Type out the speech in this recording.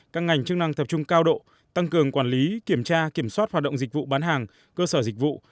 các ngành chức năng tập trung cao độ tăng cường quản lý kiểm tra kiểm soát hoạt động dịch vụ bán hàng cơ sở dịch vụ